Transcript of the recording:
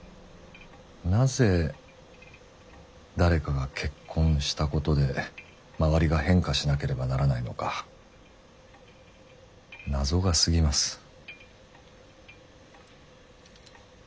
なぜ誰かが結婚したことで周りが変化しなければならないのか謎がすぎます。